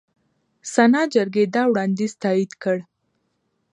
سنا جرګې دا وړاندیز تایید کړ.